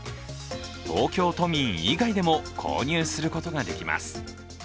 東京都民以外でも購入することができます。